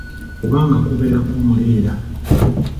Kubanga kubeerako omuleera.